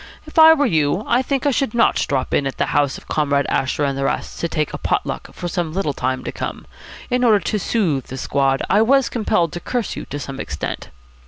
If I were you, I think I should not drop in at the house of Comrade Asher and the rest to take pot luck for some little time to come. In order to soothe the squad I was compelled to curse you to some extent."